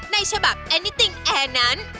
ในฉบับแอนิติงแอร์นั้น